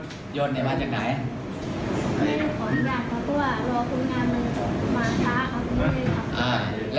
ขออนุญาตของตัวรอคุณงานมาช้าของตัวเนี่ยครับ